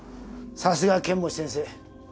さすが剣持先生。